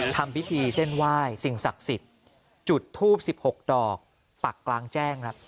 ทำพิธีเส้นไหว้สิ่งศักดิ์สิทธิ์จุดทูบ๑๖ดอกปักกลางแจ้งครับ